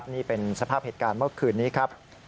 นี่เป็นสภาพเหตุการณ์เมื่อคืนนี้ครับ